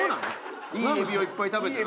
いいエビをいっぱい食べたら？